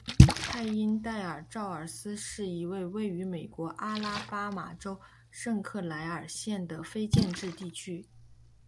派因代尔绍尔斯是一个位于美国阿拉巴马州圣克莱尔县的非建制地区。